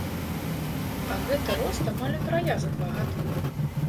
А гэта рост амаль утрая за два гады!